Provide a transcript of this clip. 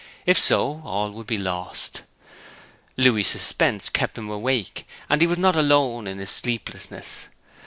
If so, all would be lost. Louis's suspense kept him awake, and he was not alone in his sleeplessness.